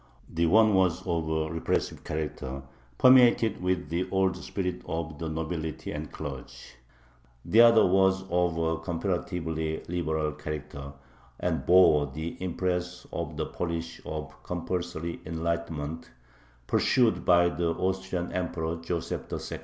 The one was of a repressive character, permeated with the old spirit of the nobility and clergy. The other was of a comparatively liberal character, and bore the impress of the policy of "compulsory enlightenment" pursued by the Austrian Emperor Joseph II.